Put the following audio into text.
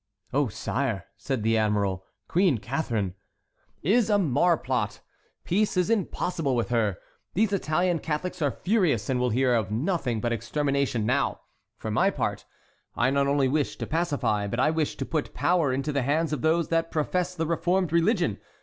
"Oh, sire!" said the admiral, "Queen Catharine"— "Is a marplot. Peace is impossible with her. These Italian Catholics are furious, and will hear of nothing but extermination; now, for my part, I not only wish to pacify, but I wish to put power into the hands of those that profess the reformed religion.